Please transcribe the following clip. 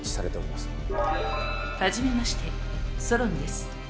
初めましてソロンです。